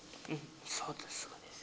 そうですそうです。